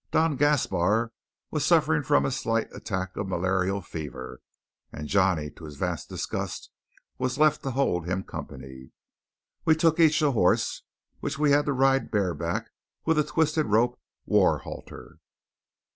Don Gaspar was suffering from a slight attack of malarial fever; and Johnny, to his vast disgust, was left to hold him company. We took each a horse, which we had to ride bareback and with a twisted rope "war halter."